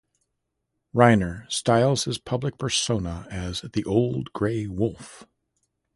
Rhyner styles his public personality as "The Old Grey Wolf".